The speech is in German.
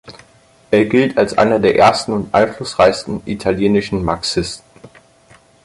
Er gilt als einer der ersten und einflussreichsten italienischen Marxisten.